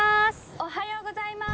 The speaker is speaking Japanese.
「おはようございます」。